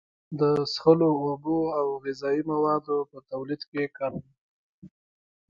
د څښلو اوبو او غذایي موادو په تولید کې کارول کیږي.